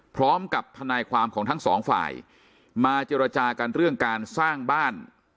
พร้อมกับทนายความของทั้งสองฝ่ายมาเจรจากันเรื่องการสร้างบ้าน